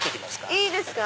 いいですか。